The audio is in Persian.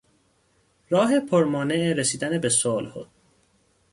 راه پر مانع رسیدن به صلح